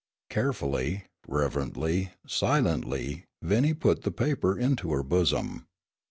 '" Carefully, reverently, silently Viney put the paper into her bosom.